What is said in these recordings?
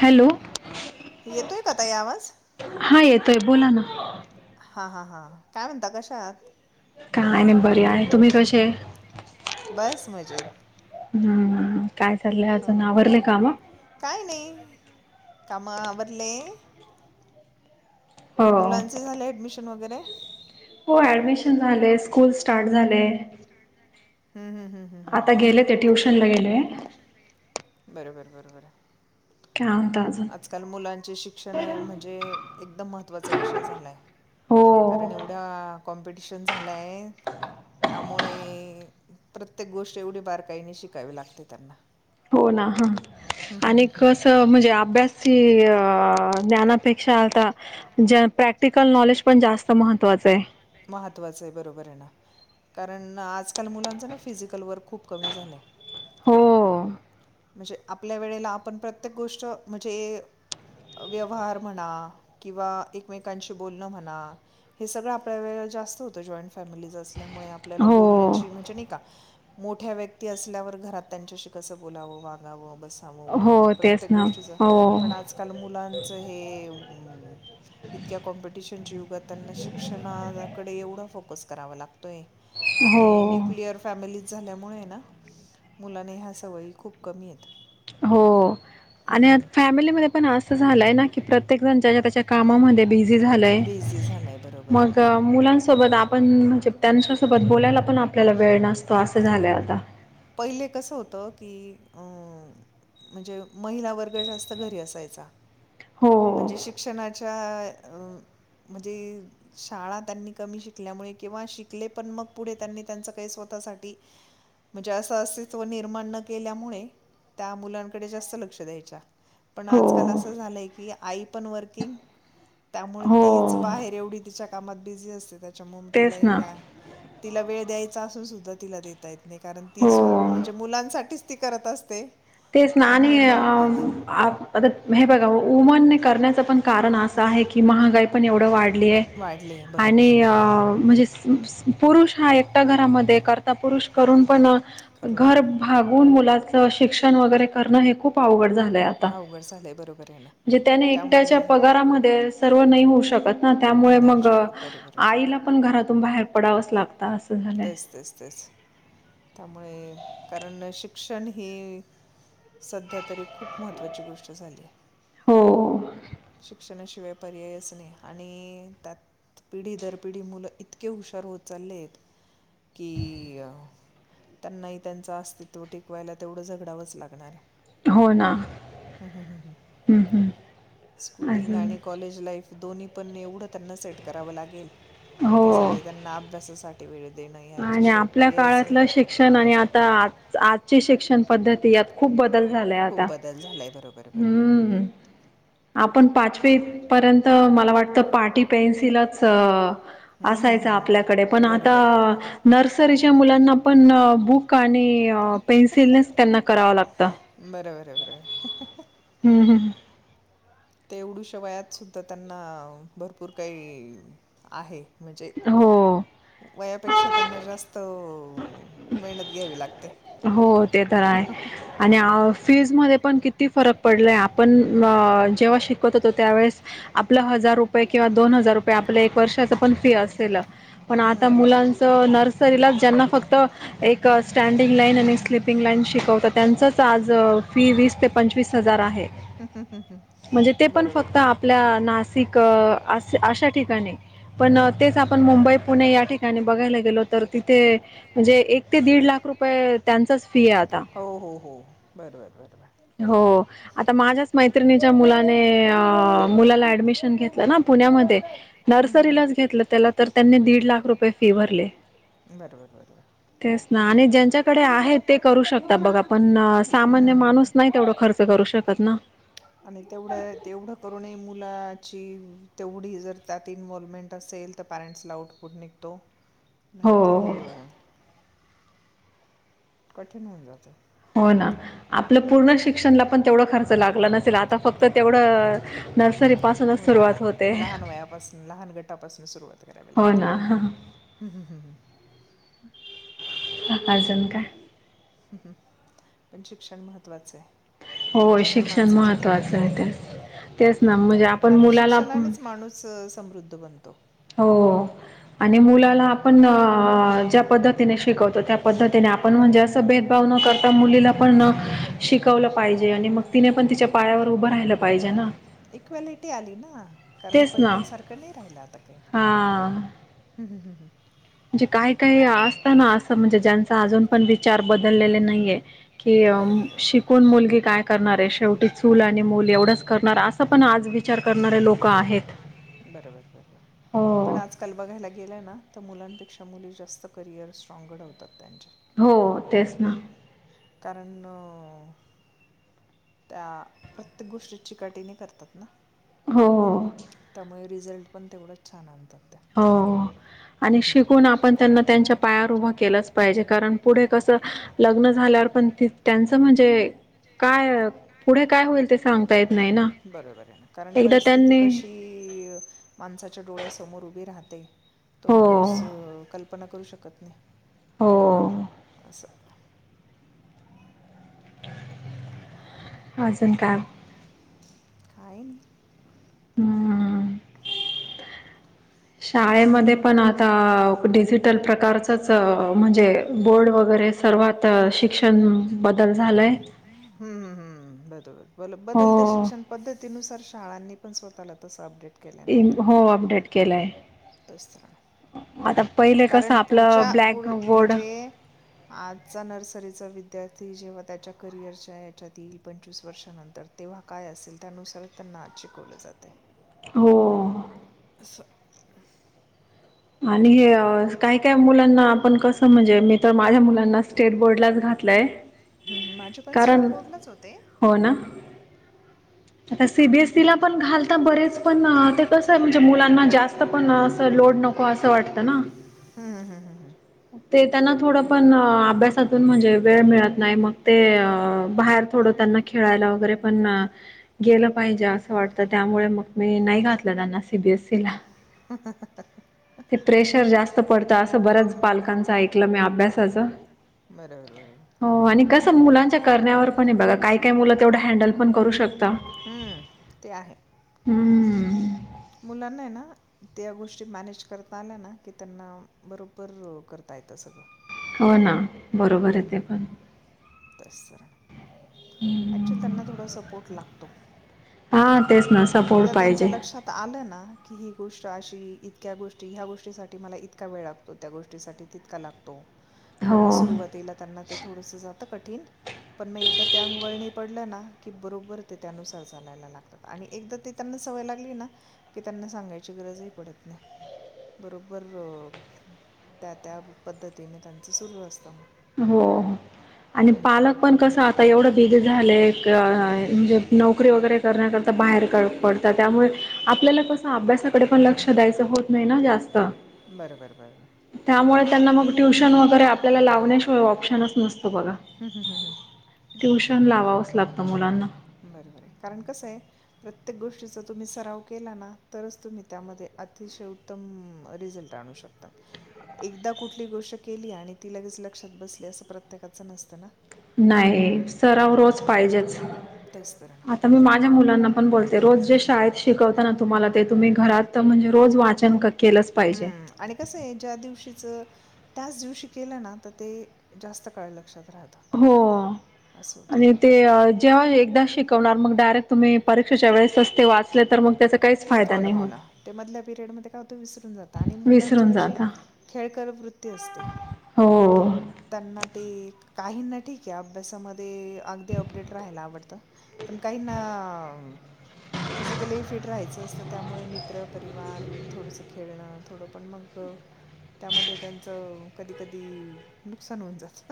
Hello. येतोय का ताई आहे आवाज? हा येतोय, बोला ना. हा हा हा, काय म्हणता कशा आहात? काय नाही बर आहे तुम्ही कशा [unintelligible] बस मजेेत. हम्म, काय चाललंय अजून हं आवरलंय हं काम? काय नाही कामं आव? हो मुलांचे झाले ऍडमिशन वगैरे? हो ऍडमिशन झाले, स्कूल स्टार्ट झाले. हं हं हं हं आता हं गेले, ते ट्युशनला बरोबर गेले. बरोबर. बरोबर बरोबर आहे. काय म्हणता अजून आजकाल मुलांचे शिक्षण म्हणजे एकदम महत्त्वाचा विषय झालाय. हो कारण एवढ्या कॉम्पिटिशन झालं आहे, त्यामुळे प्रत्येक गोष्ट एवढी बारकाईने शिकावी लागते त्यांना. हो ना ह आणि कसं म्हणजे अभ्यासही अ ज्ञानापेक्षा आता ज प्रॅ प्रॅक्टिकल नॉलेज पण जास्त महत्त्वाचं आहे. महत्वाच आहे बरोबर आहे ना. कारण आजकाल मुलांच ना फिजिकल वर्क खूप कमी झालंय. हो. म्हणजे आपल्या वेळेला आपण प्रत्येक गोष्ट म्हणजे व्यवहार म्हणा किंवा एकमेकांशी बोलणं म्हणा. हे सगळं आपल्या वेळे जास्त होतो जॉईंट फॅमिली अस ल्यामुळे आपल्याला हो बोलण्याचे म्हणजे नाही का मोठ्या व्यक्ती असल्यावर घरात त्यांच्याशी कसं बोलावं, वाांगाव बस सावं, हो उठावं तेच प्रत्येक ना गोष्टीच हो पण आजकाल मुलांच हे अं इतक्या कॉम्पिटिशनच्या युगात त्यांना शिक्षणाकडे एवढं फोकस करावं लाग तोय आणि हो न्यक्लिअर फॅमिली झाल्यामुळे ना, मुलाने ह्या सवयी खूप कमी आहेत. हो हं आणि हं हं. फॅमिलीमध्ये पण अस झालंय ना की की प्रत्येकजण त्याच्या त्याच्या कामामध्ये बिझी झालंय, बिझी झालाय बरोबर बरोबर. मग मुलांसोबत आप पण म्हणजे त्यांच्यासोबत बोलायला पण आपल्याला वेळ नसतो, असं झालंय आता. पहिले कसं होतं की अं म्हणजे महिला वर्ग जास्त घरी असायचा हो, म्हणजे शिक्षणा अच्छा म्हणजे शाळा त्यांनी कमी शिकल्यामुळे किंवा शिकले पण मग पुढे त्यांनी त्यांच काही स्वः साठी म्हणजे असं अस्तित्व निर्माण न केल्यामुळे त्या मुलांकडे जास्त लक्ष द्यायच्या पण हो, आजकाल असं झालंय आ पण विंग त्यामुळे हो. ती बाहे एवढी त कामात बी असते तेच ना. तला वे द्या तला कारण ती हो. स्व म्हणजे मुलांसाठीच ती करत असते तेच त्यामुळे नाने मग आता हे बघा उमन करण्याचं पण कारण असं आहे की महागाई पण एवढं वाढ वाढली आहे बरोबर आणि म्ह पुरुष हा एकट्या घरामध्ये करता पुरुष करून पण करून घर भाग [unintelligible] मुलाच शिक्षण वगैरे करणं हे खूप अवघड झालं अवघड झालय, बरोबर आहे ना. म्हणजे त्याने त्या त्यामुळे एकट्याच्या पगारामध्ये सर्व नाही होऊ शकत ना, त्यामुळे नाही मग शकत बरोबर आहे ना. आईला पण घरात तून बाहेर पडावच लाग तेच तेच तेच. त्यामुळे कारण शिक्षण ही सध्या तरी खूप महत्त्वाची गोष्ट झालीय. हो शिक्षणाशिवाय पर्याय असणे आणि त्यात पिढी दर पिढी मुलं इतके हुशार होत चाललेत की त्यांनाही त्यांचं अस्तित्व टिकवायला तेवढं झगडावंच लागणार आहे हो ना हम् हम स्कुलिंग आणि कॉलेज लाईफ दोन्ही पण एवढं त्यांना सेट करावं लागेल हो त्यासाठी त्यांना अभ्यासासाठी वेळ देणं आणि ह्याच्याशिवाय आपल्या पर्यायच नाही काळातलं शिक्षण आणि आता आजची शिक्षण पद्धती यात खूप. बदल झालाय खूप आता हम्म ह आपण पाचवी पर्यंत मला वाटतं पाटी पेन्सिलच हम्म हम्म असायचं हम्म आपल्याकडे पण आता बरोबर पण बरोबर. नर्सरीच्या मुलांना पण बुक आणि पेन्सिलनेस त्यांना करावं लागतं बरं बरं बरं हम्म हम्म तेवढूशिवायात सुद्धा त्यांना भरपूर काही आहे म्हणजे हो. वयापेक्षा त्यांना जास्त मेहनत घ्यावी लागते हो ते तर आहे आणि फीजमध्येध्ये पण किती फरक पडलाय आपण जेव्हा शिकवत होतो त्यावेळेस आपल्या हजार रुपये किंवा दोन हजार रुपये आपल्या एक वर्षाच पण फी असेल पण आता मुलांच नर्सरीला ज्यांना फक्त एक सड िंग लाईन आणि स्लिपिंग लाईन शिकवत त्यांचंच आज फी वीस ते पंचवीस हजार आहे आहे. म्हणजे ते पण बरोबर फक्त बरोबर. आपल्या नाशिक अशा ठिकाणी पण तेच आपण मुंबई पुणे या ठिकाणी बघायला गेलो तर तिथे म्हणजे एक ते दीड लाख रुपये त्यांचच हो हो हो बरोबर बरबर हो आता माझ्याच मैत्रिणीच्या मुलाने मुलाला ऍडमिशन घेतलं ना पुण्यामध्ये नर्सरीलाच घेतलं त्याला तर त्यांनी दीड लाख रुपये फी भरले बरोबर बरोबर. तेच ना आणि ज्यांच्याकडे आहे ते करू शकतात बघा पण सामान्य माणूस नाही तेवढं खर्च करू शकत ना आणि तेवढ तेवढं करू मुला ची तेवढी जर त्यात इन्वॉवमेंट असेल तर पॅरेंट्सला आउटपुट निघतो. हो नाही तरर. कठीण होऊन जातं. हो ना आपलं पूर्ण शिक्षणला पण तेवढा खर्च लागला नसेल आ. आता फक्त तेवढं नर्सरी पासूनच सुरुवात होते. रा हो लागते ना हम्म हम् हम्. अकारजन का. हम्म् पण शिक्षण महत्त्वाचं आहे. हो त्याच्याशिवाय शिक्षण माणसाची महत्त्वाचं प्रगती आहे नाही ते. तेच ना म्हणजे आपण कारण मुलाला. शिक्षणानेच माणूस अ, समृद्ध बनतो. हो. आणि मुलाला आपण ज्या पद्धतीने शिकवतो त्या पद्धतीने आपण म्हणजे अस भेदभव. ता मुलीला पण शिकवलं पाहिजे आणि मग तिने पण तिच्या पायावर उभं राहिलं पाहिजे ना. इक्वेलिटी आली ना. कारण तेच ना. पहिल्या सारखं नाही राहिल आता काही हां. हम् हम् हम्म हम्. म्हणजे काही काही असताना असं म्हणजे ज्यांचा अजून पण विचार बदललेले नाहीये. की बरोबर आहे शिकून मुलगी काय करणार आहे शेवटी चूल आणि मल एवढंच करणार असं पण आज. विचार करणारे लोक आहेत. बरोबर बबर पण हो. आ काल बघायला गे ना तर मुलांपेक्षा. च्या मुली जास्त करिअर स्ट्रॉंग घडवतात त्यांच्या. हो तेच ना. कारण. त्या प्रत्येक गोष्टी चिकटीने करतात ना. हो. त्यामुळे रिझल्ट पण तेवढंच छान आणतात. त्या हो. आणि हं, हं, हं. शिकून आपण त्यांना त्यांच्या पायावर उभं केलंच पाहिजे कारण पुढे कस लग्न झा. ण त्यांच म्हणजे काय पुढे काय होईल ते सांग. बरोबर आहे ना कारण परिस्थिती त्यांनी कशी माणसाच्या डोळ्यासमोर उभी राहते. तो हो, माणूस कल्पना करू शकत नाही. हो. स [inaudible] अजून का. खायनी. हम्म. शाळेमध्ये पण आता डिजिटल प्रकारचच म्हणजे बोर्ड वगरे. वगैरे सर्वात शिक्षण बदल झालंय. हं, हं, हं. बरोबर बदलत्या हो. शिक्षण पद्धतीनुसार शाळांनी पण स्वतःला तसं अपडेट. हो अपडेट केलाय. बस्तरण. पहिले कसं कारण आपलं पुढच्या पुढ ब्लॅक बोर्ड म्हणजे आजचा नर्सरीचा विद्यार्. जेव्हा त्याच्या करिअरच्या याच्यातील पंचवीस वर्षानंतर तेव्हा काय असेल त्यानुसारच त्यांना. शिकवलं जाते. हो. अठ. आणि काय काय मुलांना आपण कस म्हणजे मी तर माझ्या मुलांना स्टेट बोर्डलाच घाल. म्हटलंय. ह्म माझे पण स्टेट बोर्डलाच होते. हो ना. आता सीबीएसईला पण घालता बरेच पण ते कसं आहे म्हणजे मुलांना जास्त पण. ण अ. हं, हं, हं, हं. त्यातून म्हणजे वेळ मिळत नाही मग ते अ बाहेर थोडं त्यांना खेळायला वगैरे पण गेलं पाहिजे असं वाटतं त्यामुळे मग मी नाही घातलं त्यांना सी बी एस ई ला ते प्रेशर जास्त पडतं असं बऱ्याच पालकांच ऐकलं मी आत अभ्यासाच बरोबर बरोबर हो आणि कस मुलांच्या करण्यावर पण आहे बघा काय काय मुलं तेवढं हँडल पण करू शकता हम्म ते आहे. हम्म. मुलांना ना त्या गोष्टी मॅनेज करता आल्या ना की त्यांना बरोबर करत. काय तर सगळं. हो ना. बरोबर हम्म आहे ते हम्म पण. तेच. अक्च्युअली त्यांना थोडा सपोर्ट लागतो. हां तेच ना सपोर्ट एकदा त्यांच्या पाहिजे. लक्षात आलं ना की ही गोष्ट अशी इतक्या गोष्टी ह्या गोष्टीसाठी मला इतका वेळ लागतो त्या गोष्टीसाठी तितका लागतो. किंवा मग हो. सुरुवातीला त्यांना ते थोडस जात कठीण पण मग एकदा त्या अंग वळणी पडलं ना की बरोबर ते त्यानुसार चालायला लागतात आणि एकदा ते त्यांना सवय लागली ना की त्यांना सांगायची गरजही पडत नाही बरोबर त्या त्या पद्धतीने त्यांचं सुरू असतं मग हो हं आणि हं. पालक पण कसा आता एवढं बेग झा म्हणजे नोकरी वगैरे करण्याकरता बाहेर पडत पड त्यामुळे आपल्याला स अभ्यासाकडे पण लक्ष द्यायचं होत नाही ना जास्त बर बर बर त्यामुळे त्यांना मग ट्यूशन वगैरे आपल्याला लावण्याशिवाय ऑप्शनच नसते बघा हं हं हं हं. ट्युशन लावावंच लागतं मुलांना बरोबर आहे कारण कस आहे प्रत्येक गोष्टीचा तुम्ही सराव केला ना तरच तुम्ही त्यामध्ये अतिशय उत्तम रिझल्ट आणू शकतात. एकदा कुठली गोष्ट केली आणि ती लगेच लक्षात बसली असं प्रत्येकाच नसतं ना. नाही सराव रोज पाहिजेच तेच तर ना. आता मी माझ्या मुलांना ण बोलते रोज जे शाळेत शिकवत ना तुम्हाला ते तुम्ही घरात म्हणजे रोज वाचन कर हम्म आणि कसं आहे ज्या दिवशीच त्याच दिवशी केलं ना तर ते जास्त काळ लक्षात राहतं हो. असं होतं आणि ते जेव्हा अ, एकदा शिकवणार मग डायरेक्ट तुम्ही परीक्षेच्या वेळेस सस्ते वाचले तर मग त्याच हो ना हो ना ते मधल्या पिरियड मध्ये का होत विसरून जात आणि मुलांचे विसरून कशी जाता. खेळ कर वृत ती असते. हो. त्यांना ते काहीना ठीक आहे अभ्यासामध्ये अगदी अपडेट राहायला आवडतं. पण काही ना फिजिकली फिट राहायचं असतं त्यामुळे मित्र परिवार थोडस खेळणं थोडं पण मग त्यामध्ये त्यांचं कधी कधी नुकसान होऊन जात.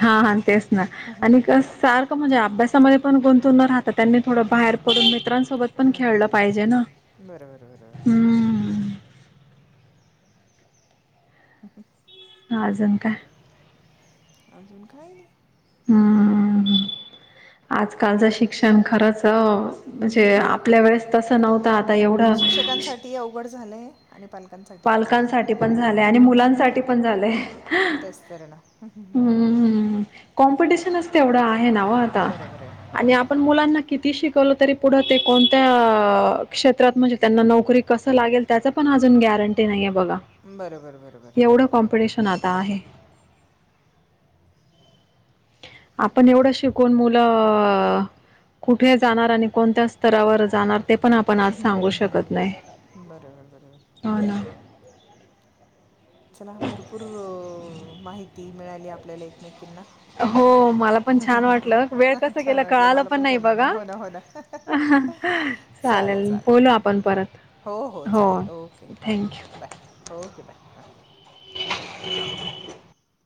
हा हा तेच ना आणि सारखं म्हणजे अभ्यासामध्ये पण गुंतव राहत त्यां थोडं बाहेर पडून मित्रांसोबत पण खेळलं पाहिजे ना हम्म. [unintelligible] अजून काय? अजून काही नाही. हम्म. आजकालचं शिक्षण खरच म्हणजे आपल्या वेळेस तसं नव्हतं आता एवढं शिक्षकांसाठी अवघड झालंय आणि पालकांसाठी अवघड झालं पालकांसाठी पण झालंय आणि मुलांसाठी पण झालंय ह. तेच तर ना हम्म हम्म कॉम्पिटिश वढ आहे ना आता बरोबर आहे आजकाल. ना बरोबर आहे आपण मुलांना किती शिकवल तरी पुढं ते कोणत्या क्षेत्रात म्हणजे, त्यांना नोकरी कसं लागेल, त्याच पण अजून गॅरंट बघा बरोबर बरोबर एवढ कॉमपिटिशन ता आहे. आपण एवढं शिकून मुलं कुठे जाणार आणि कोणत्या स्तरावर जाणार, ते पण आपण आज सांगू शकत नाही, नाही बरोबर बरोबर हो ना. चला भरपूर माहिती मिळाली. आपल्याला एकमेकी हो मला पण छान वाटलं वेळ कसं छान गेला वाटलं कळालं मला पण नाही छान वाटलना बघा हो ना हो ना. चालेल बोलू, आपण परत. हो हो चालेल. ओके हां थँक्यू बाय, ओके बाय, हां. ह [inaudible]